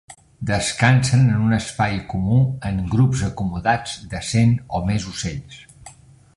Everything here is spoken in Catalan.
Descansen en un espai comú en grups acomodats de cent o més ocells.